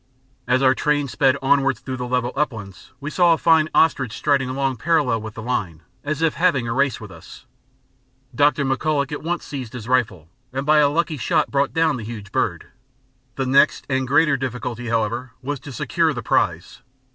As our train sped onwards through the level uplands we saw a fine ostrich striding along parallel with the line, as if having a race with us. Dr. McCulloch at once seized his rifle and by a lucky shot brought down the huge bird; the next and greater difficulty, however, was to secure the prize.